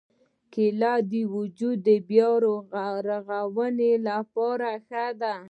کېله د وجود د بیا رغونې لپاره ښه ده.